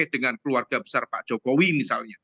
dengan keluarga besar pak jokowi misalnya